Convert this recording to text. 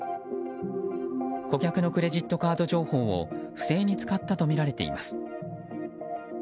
顧客のクレジットカード情報を不正に使ったとみられています。